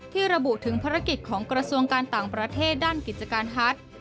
ระบุถึงภารกิจของกระทรวงการต่างประเทศด้านกิจการฮัท